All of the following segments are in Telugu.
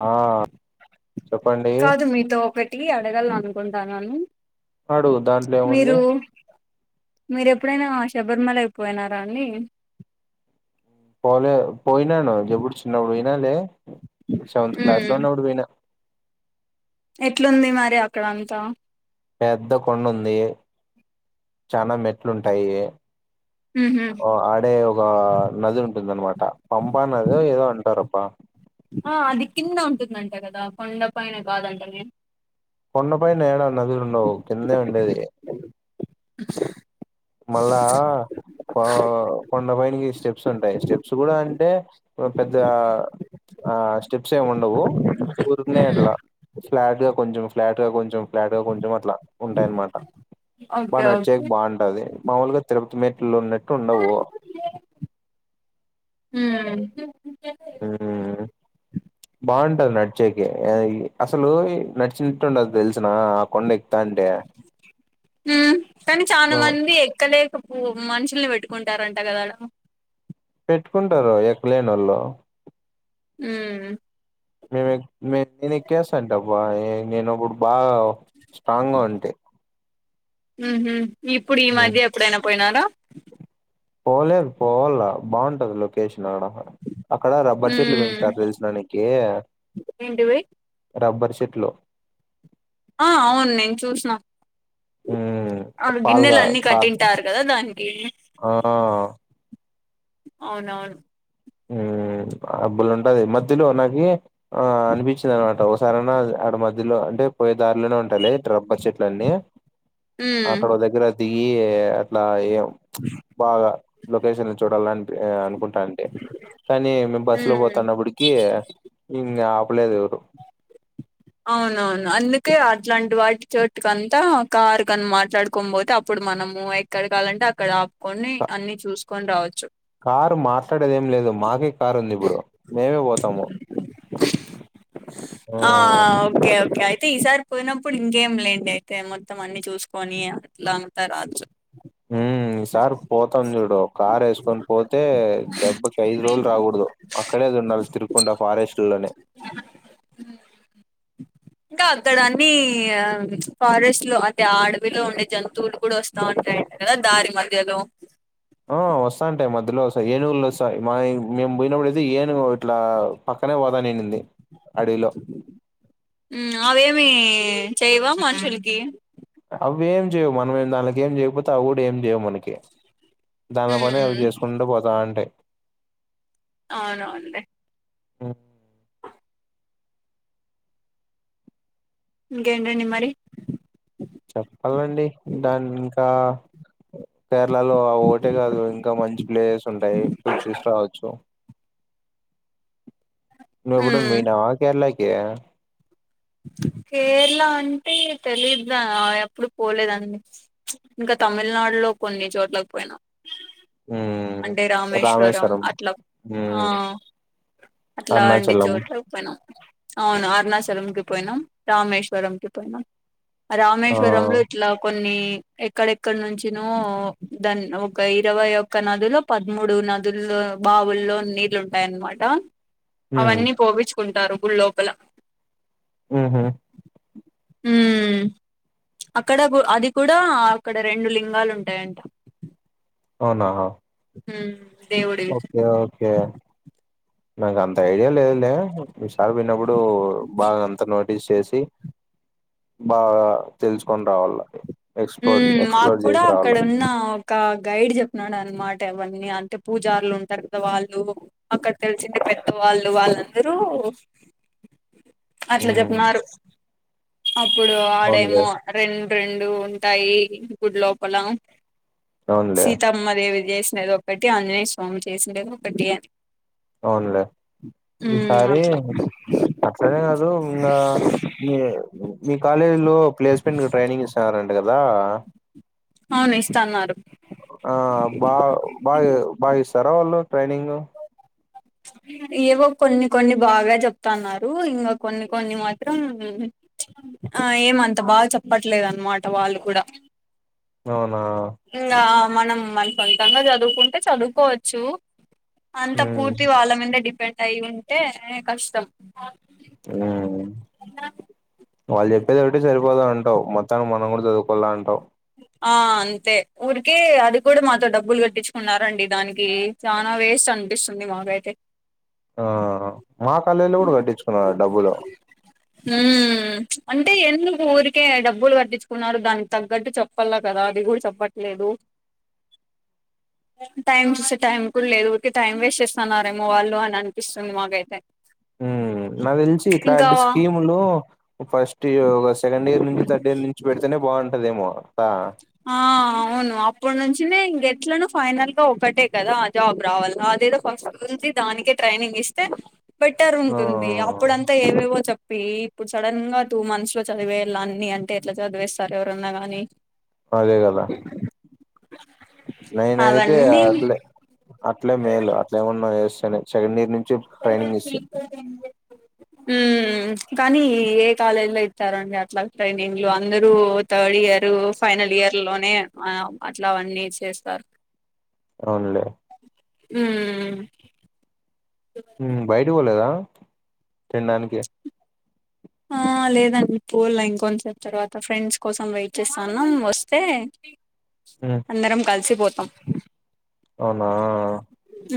ఆ చెప్పండి కాదు మీతో ఒకటి అడగాలి అనుకుంటాన్నాను అడుగు దాంట్లో ఏముంది మీరు మీరు ఎప్పుడైనా శబరిమల పోయినారా అండి పోలే పోయినాను జబుడు చిన్నప్పుడు పోయినాలే సెవెంత్ క్లాస్ లో ఉమ్ ఉన్నప్పుడు పోయినా ఎట్లుంది మరి అక్కడ అంతా పెద్ద కొండ ఉంది చానా మెట్లు ఉంటాయి ఉహు ఓ ఆడెనో ఒక నది ఉంటుంది అన్నమాట పంప నది ఏదో అంటారబ్బా ఆ అది కింద ఉంటుందంట కదా కొండ పైన కాదంట గా కొండ పైన ఏం నదులు ఉండవు కిందే ఉండేది [inaudible] మళ్ళా ఆ కొండ పైనికి స్టెప్స్ ఉంటాయి స్టెప్స్ కూడా అంటే పెద్దగా ఆ స్టెప్స్ ఏమి ఉండవు ఊరికినే అట్లా ఫ్లాట్ గా కొంచెం ఫ్లాట్ గా కొంచెం ఫ్లాట్ గా కొంచెం అట్లా ఉంటాయనమాట ఓకే బాగా నడిచే ఓకే బాగుంటది మామూలుగా తిరుపతి మెట్లు ఉన్నటే అట్లా ఉండవు హమ్ హమ్ బాగుంటాది నడిచేకి అసలు నడిచిన ఎట్లా ఉంటాదో తెలుసునా ఆ కొండ ఎక్కుతాంటే ఆమ్ కానీ చాలా ఆ మంది ఎక్కలేక పో మనుషుల్ని పెట్టుకుంటారంట కదా పెట్టుకుంటారు ఎక్కలేనోళ్లు ఉమ్ మే నేను ఎక్కేస్తాంటబ్బ నేనప్పుడు బాగా స్ట్రాంగ్ గా ఉంటే ఉమ్ హా ఇప్పుడు ఈ మధ్య ఎప్పుడైనా పోయినారా పోలేదు పోవాల బాగుంటది లొకేషన్ ఆడ అక్కడ రబ్బర్ చెట్లు ఉమ్ పెంచుతారు తెలిసిన నీకి ఏంటివి రబ్బర్ చెట్లు ఆ అవును నేను చూసిన ఆమ్ హా ఆ గిన్నెలు అన్నీ కట్టింటారు కదా దానికి ఆ ఆ అవునవును హమ్ అబ్బులు ఉంటాది మధ్యలో నావి ఆ అనిపించింది అన్న మాట ఒకసారైనా ఆడ మధ్యలో అంటే పోయే దారిలోనే ఉంటాది రబ్బర్ చెట్లు లన్ని అక్కడ దగ్గర దిగి అట్లా ఆగం బాగా లొకేషన్ చూడాలని అన్ అనుకుంటంది కానీ మేము బస్సు లో ఉమ్ పోతున్నప్పటికి ఇంగ ఆపలేదు ఎవరు అవునవును అందుకే అట్లాంటి వాటి చోట్కంతా కార్ కని మాట్లాడుకోనిపోతే అప్పుడు మనము అయి ఎక్కడ కావాలంటే అక్కడ ఆపుకొని అన్ని చూసుకొని రావచ్చు కారు మాట్లాడేది ఏం లేదు మాకే కారు ఉంది ఇప్పుడు మేమే పోతము ఆ ఓకే ఓకే అయితే ఈసారి పోయినప్పుడు ఇంకేం లేండి అయితే మొత్తం అన్ని చూసుకొని అట్లా రావచ్చు ఉ ఈసార్ పోతాం చూడు కార్ వేసుకొని పోతే దెబ్బకి ఐదు రోజులు రాకూడదు అక్కడేది ఉండాలి తిరుకొండ ఫారెస్ట్ లోనే ఇంకా అక్కడ అన్ని ఆ ఫారెస్ట్ లో అదే అడవిలో ఉండే జంతువులు కూడా వస్త స్తా ఉంటాయి కదా దారి మధ్యలో ఆ వస్తంటయి మధ్యలో వస్తాయి ఏనుగులు వస్తాయి మా మేము పోయినప్పుడయితే ఏనుగు ఇట్లా పక్కనే పోతనుండిది అడవిలో హు అవేమి చెయవా మనుషులకి అవి ఏం చేయవు మనం ఏం దానికి ఏం చేయకపోతే అవి కూడా ఏం చేయవు మనకి దానిలో పనే అవి ఉమ్ చేసుకుంటూ పోతా ఉంటాయి అవునవును అండి ఉమ్, ఇంకేంటండి మరి చెప్పాలండి దాన్ని ఇంకా కేరళలో ఒకటే కాదు ఇంకా మంచి ప్లేస్ ఉంటయి పోయి చూసి రావచ్చు నువ్వు కూడా మ్మ్ పోయిన్నావా కేరళకి కేరళ అంటే తెలిదా ఎప్పుడు పోలేదండి ఇంకా తమిళనాడులో కొన్ని చోట్లకు పోయినాం ఉమ్ అంటే రామేశ్వరం అట్లా ఆ ఉమ్ అట్లాంటి అరుణాచలం చోట్ల పోయినాం అవును అరుణాచలంకి పోయినాం రామేశ్వరంకి పోయినాం ఆ రామేశ్వరంలో ఇట్లా కొన్ని ఎక్కడెక్కడ నుంచనో దాని ఒక ఇరవై ఒక్క నదుల్లో పదమూడు నదులు బావుల్లో నీళ్లు ఉంటాయన్నమాట ఉమ్ అవన్నీ పోపించుకుంటారు గుళ్ లోపల ఉహు హ్మ్ అక్కడ కూడా అది కూడా అక్కడ రెండు లింగాలు ఉంటాయంట అవునా హుమ్ దేవ్ ఓకే ఓకే నాకు అంత ఐడియా లేదులే ఈసారి పోయిన్నప్పుడు బాగా అంత న స్ చేసి బాగా తెలుసుకొని రావల్లా హుమ్ మాకు కూడా అక్కడ ఉన్న ఒక గైడ్ చెప్పినాడు అనమాట ఇవన్నీ అంటే పూజారులు ఉంటారు కదా వాళ్ళు అక్కడ తెలిసింది పెద్దవాళ్ళు వాళ్ళందరూ అట్లా ఉమ్ చెప్పినారు అప్పుడు అవునులే ఆడేమో రెండు రెండు ఉంటాయి గుడి లోపల అవునులే సీతమ్మదేవి చేసినదొ ఒకటి ఆంజనేయ స్వామి చేసిండేది ఒకటి అవునులే ఉమ్, ఈసారి అట్లా అట్లనే కాదు ఇంగ మీ మీ కాలేజీ లో ప్లేస్మెంట్కి ట్రైనింగ్ ఇస్ నారంట కదా అవును ఇస్త అన్నారు ఆ బా బాగా బాగా ఇస్తారా వాళ్ళు ట్రైనింగ్ ఏవో కొన్ని కొన్ని బాగా చెప్తన్నారు ఇంక కొన్ని కొన్ని మాత్రం ఆ ఏమంత బాగా చెప్పట్లేదు అన్నమాట వాళ్ళు కూడా. అవునా. ఇంగ మనం మన సొంతంగా చదువుకుంటే చదువుకోవచ్చు. అంత ఉమ్ పూర్తి వాళ్ళ మీద డిపెండ్ అయి ఉంటే కష్టం. ఆ వాళ్ళు చెప్పేది ఒకటే సరిపోదా అంటావ్ మొత్తానికి మనం కూడా చదువుకోవాలా అంటావ్. ఆ అంతే ఊరికే అది కూడా మాతో డబ్బులు కట్టించుకున్నారండి దానికి చనా వేస్ట్ అనిపిస్తుంది మాకైతే. ఆ మా కళేలో కూడా కట్టించుకున్నారు డబ్బులు మ్మ్ అంటే ఎందుకు ఊరికే డబ్బులు కట్టించుకున్నారు దానికి తగ్గట్టు చెప్ చెప్పలా కదా అది కూడా చెప్పట్లేదు. టైం చూస్తే టైం కూడా లేదు ఊరికి టైం వేస్ట్ చేస్తున్నారేమో వాళ్ళు అని అనిపిస్తుంది మాకైతే. ఉ నాకు తెలిసి ఇంకా ఇట్లాంటి స్కీములు ఫస్ట్ ఇ సెకండ్ ఇయర్ నుంచి థర్డ్ ఇయర్ నుంచి పెడితేనే బాగుంటదేమో దా ఆ అవును అప్పడు నుంచినే ఇంగెట్లనో ఫైనల్ గా ఒటే కదా. జాబ్ రావాలా అదేదో ఫస్ట్నుంచి దానికే ట్రైనింగ్ ఇస్తే బెటర్ ఆ ఉంటుంది అప్ ఇప్పుడంతా ఏవేవో చెప్పి ఇప్పుడు సడన్ గా టూ మంత్స్ లో చదివేయాళ్ల అన్ని అంటే ఎట్లా చదివేస్తారు ఎవరన్నా గాని అదే కదా నేనైతే అట్లే అట్లే మేలు అట్లేమన్నా చేస్తానే సెకండ్ ఇయర్ ను [unintelligible] మ్మ్ కానీ ఏ కాలేజీ లో ఇత్తారండి అట్లా ట్రైనింగ్లు అందరూ థర్డ్ ఇయర్ ఫైనల్ ఇయర్ లోనే అట్లావన్నీ చేస్తారు అవునులే మ్మ్ బయట పోలేదా తినడానికి ఆ లేదండి పోలె ఇంకొంతసేపు తర్వాత ఫ్రెండ్స్ కోసం వెయిట్ చేస్తాను వస్తే ఉమ్, అందరం కలిసిపోతాం అవునా ఉ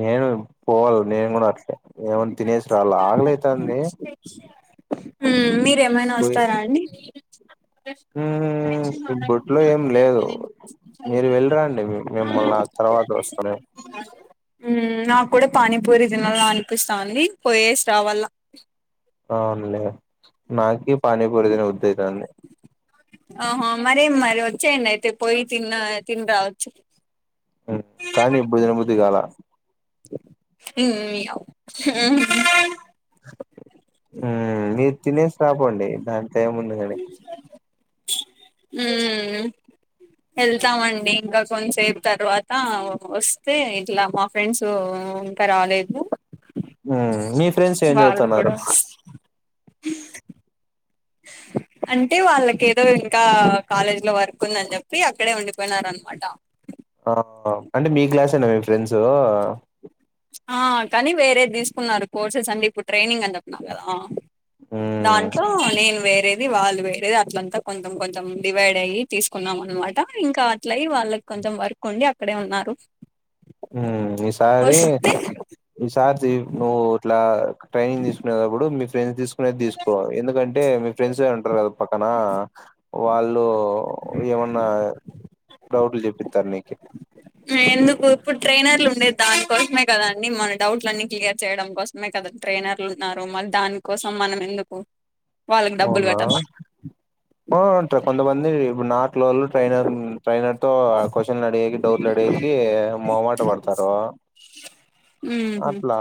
నేను పోవాల నేను కూడా అట్లే ఏమన్నా తినేసి రాళ్ల ఆకలైతాంది మ్మ్ మీరేమైనా పోయి వస్తారా అండి ఉమ్, ఈ బొట్లో ఏం లేదు మీరు వెళ్ళిరండి మిమ్మల్ని [unintelligible] తర్వాత వస్త నేను నాకు కూడా పానీపూరి తినాల అనిపిస్తాంది పోయేసి రావాల అవునులే నాకి పానీపూరి తిన బుద్ధి అయితాంది ఆహా మరే మరి వచ్చేయండి అయితే పోయి తిన్న తిని రావచ్చు కానీ ఇప్పుడు బుద్ధిగాలే ఉ ఉ మీరు తినేసి రాపొండి దానికి టైం ఉంది కానీ ఉ వెళ్తామండి ఇంకా కొంతసేపు తర్వాత వస్తే ఇట్లా ఫ్రెండ్స్ ఇంకా రాలేదు ఉ మీ ఫ్రెండ్స్ ఏం వాళ్ళు చదువుతున్నారు కూడా అంటే వాళ్ళక ఏదో ఇంకా కాలేజ్ లో వర్క్ ఉందని చెప్పి అక్కడే ఉండిపోయినారన మాట ఆహా అంటే మీ క్లాసేనా మీ ఫ్రెండ్స్ ఆ కానీ వేరే తీసుకున్నారు కోర్సెస్ అన్ని ఇప్పుడు ట్రైనింగ్ అని చెప్తున్నారు కదా హ్మ్ దాంట్లో నేను వేరే వాళ్ళు వేరేది అట్లంతా కొంచెం కొంచెం డివైడ్ అయ్యి తీసుకున్నాం అనమాట ఇంకా అట్ల అయి వాళ్ళకి కొంచెం వర్క్ కొండి అక్కడే ఉన్నారు ఉ ఈసారి వస్తే ఈ సార్ నువ్వు ఇట్లా ట్రైనింగ్ తీసుకునేటప్పుడు మీ ఫ్రెండ్స్ తీసుకు నే తీసుకో ఎందుకంటే మీ ఫ్రెండ్స్ ఉంటారు కదా పక్కన వాళ్ళు ఏమన్నా డౌట్లు చెపిస్తారు నీకే ఎందుకు ఇప్పుడు ట్రైనర్లు ఉండే దానికోసమే కదండి మన డౌట్లు అన్ని కలియర్ చేయడం కోసం కదా ట్రైనర్లు ఉన్నారు మళ్ళీ దానికోసం మనం ఎందుకు వాళ్ళకి డబ్బులు అవునా కట్టాల అంట కొంతమంది ఇప్పుడు నట్లోళ్ళు ట్రైైన ట్రైైనర్ తో క్వశ్చన్ అడిగేకి డౌట్లు అడిగేకి మొహమాట పడతారు ఉహు అట్లా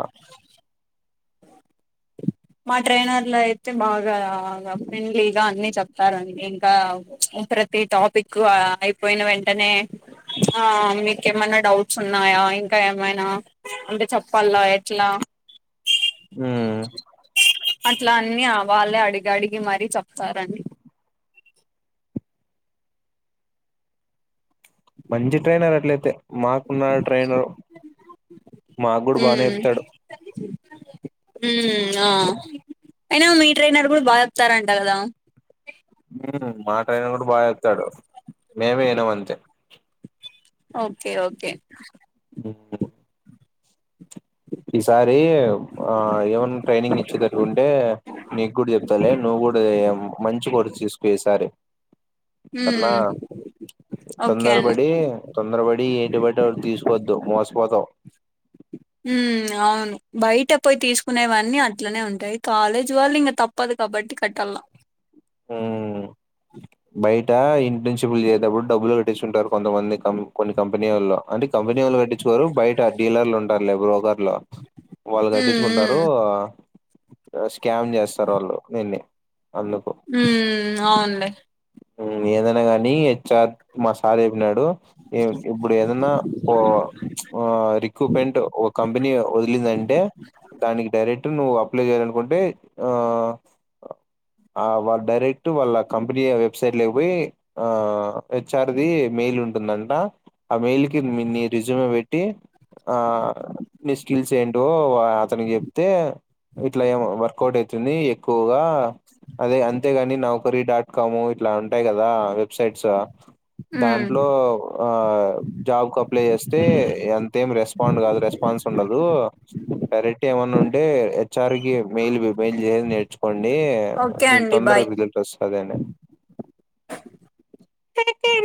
మా ట్రైనర్లు అయితే బాగా ఫ్రెండ్లీగా అన్ని చెప్తారండి ఇంకా ప్ర ప్రతి టాపిక్ అయిపోయిన వెంటనే ఆ మీకు ఏమైన్నా డౌట్స్ ఉన్నాయా ఇంకా ఏమైనా అంటే చెప్పాల ఎట్లా ఉ అట్లా అన్నీ ఆ వాళ్ళే అడిగి అడిగి మర చెప్తారండి మంచి ట్రైనర్ అట్లయితే మాకున్న ట్రైనర్ మాకు కూడా బానే చెప్తాడు ఉ ఆ అయినా మీ ట్రైనర్ కూడా బాగా చెప్తారంట కదా మా ట్రేైనర్ కూడా బాగా చెస్తాడు మేమే వినం ఇంతే ఓకే ఓకే ఉహు ఈసారి ఆ ఏమన్నా ట్రైనింగ్ ఇచ్చేటట్లు ఉంటే నీకు కూడా చెప్తాలే నువ్వు కూడా మంచి కోర్సు తీసుకోసారి ఉ తొందర పడి తొందర పడి ఏంటి బట్టి తీసుకోవద్దు మోసపోతావ్ ఉమ్ అవును బయట పోయి తీసుకునేవన్నీ అట్లనే ఉంటాయి, కాలేజీ వాళ్ళు ఇంగ తప్ ప్పదు కాబట్టి కట్టల ఉమ్ బయట ఇన్పన్సిబుల్ చేసేటప్పుడు డబ్బులు కట్టించుంటారు కొంతమంది, కం కొన్ని కంపెనీ వొళ్ళు, అంటే కంపెనీ వొళ్ళు కట్టి రు బయట డీలర్లు ఉంటారులే బ్రోకర్లు, వాళ్ళు ఉమ్ కట్టించుకుంటారు. స్కామ్ చేస్తారు వాళ్ళు దీన్ని అందుకు ఉమ్ అవునండి ఉమ్ ఏదైనా గాని హెచ్ డి ఆర్ మా సార్ చెప్పినాడు ఏ ఇప్పుడు ఎదన్నా పో ఆ రిక్రూపెంట్ ఒక కంపెనీ వదిలిందంటే దానికి డైరెక్ట్ నువ అప్లై చేయాలనుకుంటే ఆ ఆ వాళ్ళు డైరెక్ట్ వాళ్ళ కంపెనీ వెబ్సైట్ లేకపోయి ఆ హెచ్ ఆర్ ది మెయిల్ ఉంటుందంట ఆ మెయిల్ కి నీ రిజ్యూమ్ పెట్టి ఆ నీ స్కిల్స్ ఏంటో అతనికి చెప్తే ఇట్లా ఏమో వర్కౌట్ ఐతుంది, ఎక్కువగా అదే అంతేగాని నౌకరీ డాట్ కము ఇట్ల ఉంటాయి కదా, వెబ్సైట్స్ ఉమ్ దాంట్లో ఆ జాబ్ కు అప్లై చేస్తే ఎంతేం రెస్పాండ్ కాదు, రెస్పాన్స్ ఉండదు కరెంట్ ఏమన్నా ఉంటే హెచ్ ఆర్ కి మెయిల్ మెయిల్ చేసి నేర్చు కోండి, ఓకే మీకు అండి బాయ్ తొందరగా రిజల్ట్ వస్తదనే తతే